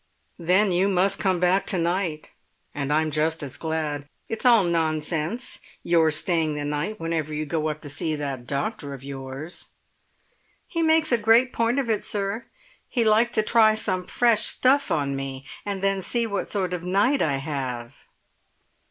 "Then you must come back to night, and I'm just as glad. It's all nonsense your staying the night whenever you go up to see that doctor of yours." "He makes a great point of it, sir. He likes to try some fresh stuff on me, and then see what sort of night I have."